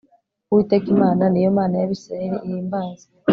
uwiteka imana, niyo mana y'abisirayeli, ihimbazwe